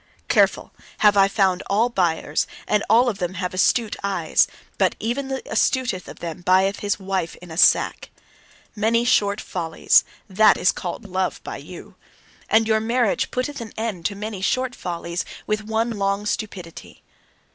Careful, have I found all buyers, and all of them have astute eyes. But even the astutest of them buyeth his wife in a sack. Many short follies that is called love by you. And your marriage putteth an end to many short follies, with one long stupidity.